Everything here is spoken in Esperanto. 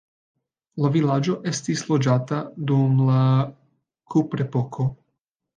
La vilaĝo estis loĝata dum la kuprepoko.